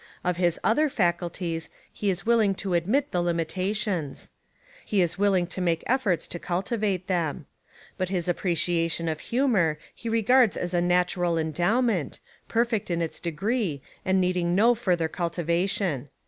Of his other faculties he is willing to admit the limitations. He is willing to make efforts to cultivate them. But his appreciation of humour he regards as a natural endowment, perfect in Its degree, and needing no further cultivation.